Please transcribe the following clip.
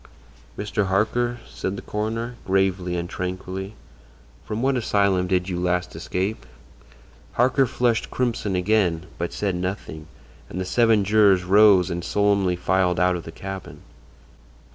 "Mr. Harker," said the coroner, gravely and tranquilly, "from what asylum did you last escape?" Harker flushed crimson again, but said nothing, and the seven jurors rose and solemnly filed out of the cabin.